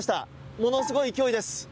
ものすごい勢いです。